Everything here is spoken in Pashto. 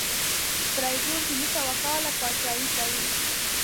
فریدون پنځه سوه کاله پاچهي کوي.